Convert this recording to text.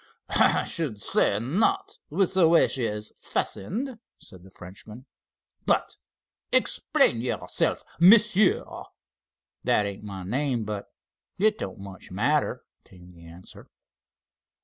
"I should say not, with the way she is fastened," said the Frenchman. "But explain yourself, monsieur." "That ain't my name, but it don't much matter," came the answer.